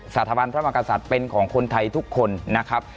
สถาบันพระมกษัตริย์เป็นของคนไทยทุกคนนะครับ